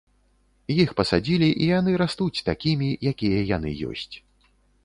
Іх пасадзілі і яны растуць такімі, якія яны ёсць.